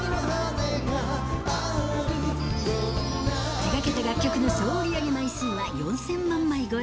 手がけた楽曲の総売り上げ枚数は、４０００万枚超え。